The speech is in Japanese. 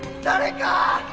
誰か！